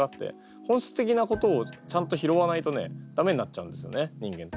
本質的なことをちゃんと拾わないとね駄目になっちゃうんですよね人間って。